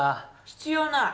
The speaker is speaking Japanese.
必要ない。